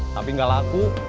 tapi gak laku